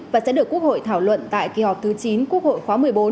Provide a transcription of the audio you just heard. và sẽ được quốc hội thảo luận tại kỳ họp thứ chín quốc hội khóa một mươi bốn